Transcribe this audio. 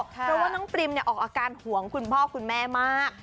เพราะว่าน้องปริมออกอาการห่วงคุณพ่อคุณแม่มาก